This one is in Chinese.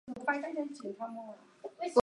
用文学视角直接介入社会文化议题。